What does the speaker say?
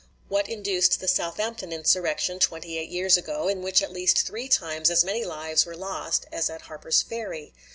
What induced the Southampton insurrection, twenty eight years ago, in which at least three times as many lives were lost as at Harper's Ferry?